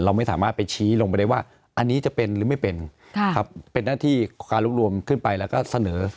เราไม่สามารถไปชี้ลงไปได้ว่าอันนี้จะเป็นหรือไม่เป็นหน้าที่การรวบรวมขึ้นไปแล้วก็เสนอ